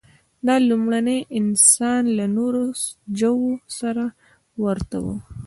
دا لومړني انسانان له نورو ژوو سره ورته وو.